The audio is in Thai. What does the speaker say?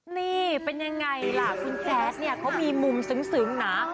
นี่เป็นยังไงล่ะคุณแจ๊ดเนี่ยเขามีมุมซึ้งนะ